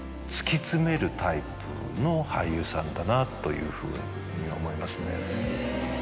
だなというふうに思いますね。